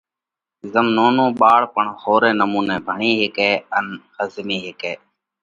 زم نونو ٻاۯ پڻ ۿورئہ نمُونئہ ڀڻي هيڪئہ ان ۿزمي هيڪئہ۔